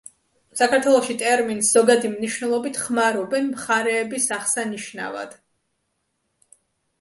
საქართველოში ტერმინს ზოგადი მნიშვნელობით ხმარობენ მხარეების აღსანიშნავად.